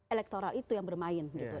elektoral itu yang bermain